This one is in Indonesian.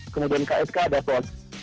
kemudian ksk dan pos